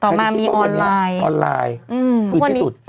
ต่อมามีออนไลน์อืมคือที่สุดใครจะคิดว่าวันนี้ออนไลน์